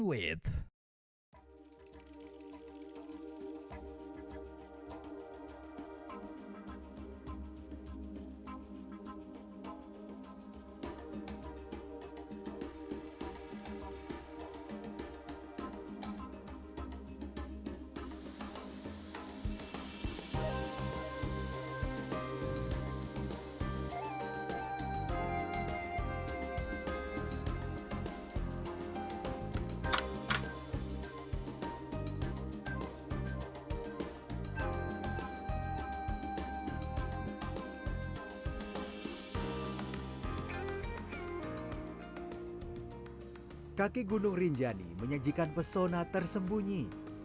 pesaki gunung rinjani menyajikan pesona tersembunyi